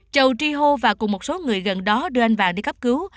châu tri hô và cùng một số người gần đó đưa anh vàng đi cấp cứu